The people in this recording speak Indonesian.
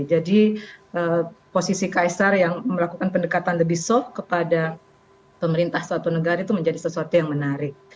jadi posisi kaisar yang melakukan pendekatan lebih soft kepada pemerintah suatu negara itu menjadi sesuatu yang menarik